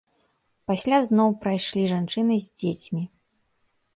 Пасля зноў прайшлі жанчыны з дзецьмі.